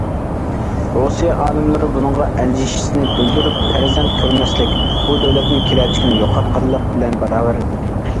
رۇسىيە ئالىملىرى بۇنىڭغا ئەندىشىسىنى بىلدۈرۈپ، پەرزەنت كۆرمەسلىك بۇ دۆلەتنىڭ كېلەچىكىنى يوقاتقانلىق بىلەن باراۋەر دېدى.